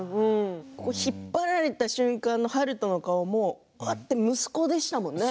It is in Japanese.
引っ張られた瞬間の悠人の顔もうわって息子でしたもんね。